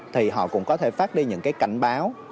thì họ cũng có thể phát đi những cái cảnh báo